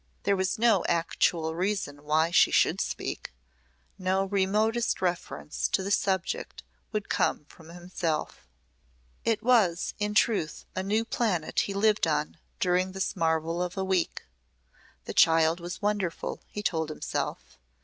There was no actual reason why she should speak. No remotest reference to the subject would come from himself. It was in truth a new planet he lived on during this marvel of a week. The child was wonderful, he told himself.